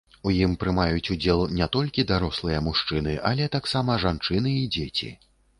У ім прымаюць удзел не толькі дарослыя мужчыны, але таксама жанчыны і дзеці.